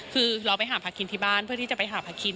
คือเราไปหาพาคินที่บ้านเพื่อที่จะไปหาพาคิน